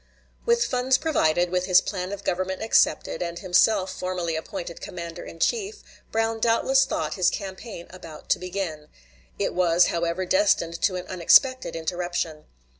With funds provided, with his plan of government accepted, and himself formally appointed commander in chief, Brown doubtless thought his campaign about to begin; it was however destined to an unexpected interruption.